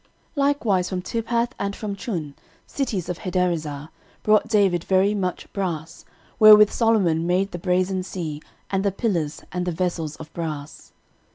13:018:008 Likewise from Tibhath, and from Chun, cities of Hadarezer, brought David very much brass, wherewith Solomon made the brasen sea, and the pillars, and the vessels of brass.